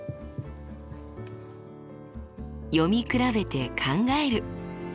読み比べて考える。